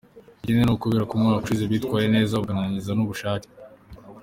Ikindi ni ukubera ko umwaka ushize bitwaye neza bakagaragaza n’ubushake.